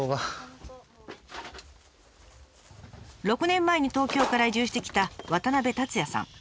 ６年前に東京から移住してきた渡部竜矢さん。